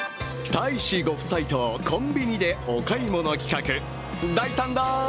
大使ご夫妻とコンビニでお買い物企画第３弾！